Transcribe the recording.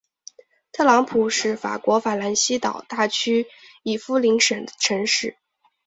特拉普是法国法兰西岛大区伊夫林省的城市。